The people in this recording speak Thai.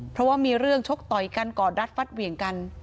เพราะว่ามีเรื่องชกต่อยกันกอดรัดฟัดเหวี่ยงกัน